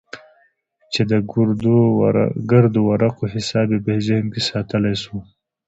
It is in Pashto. چې د ګردو ورقو حساب يې په ذهن کښې ساتلى سو.